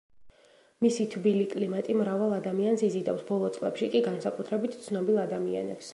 მისი თბილი კლიმატი მრავალ ადამიანს იზიდავს, ბოლო წლებში კი განსაკუთრებით ცნობილ ადამიანებს.